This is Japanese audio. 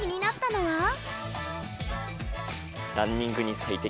「ランニングに最適？！」。